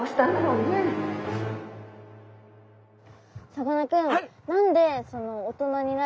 さかなクン！